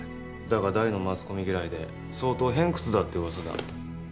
だが大のマスコミ嫌いで相当偏屈だってうわさだ。